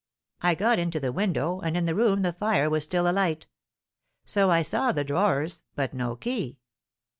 I got into the window, and in the room the fire was still alight. So I saw the drawers, but no key.